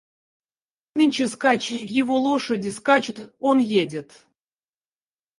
Нынче скачки, его лошади скачут, он едет.